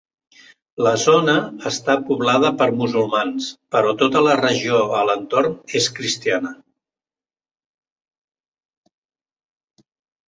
La zona està poblada per musulmans però tota la regió a l'entorn és cristiana.